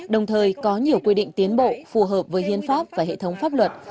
đồng thời có nhiều quy định tiến bộ phù hợp với hiến pháp và hệ thống pháp luật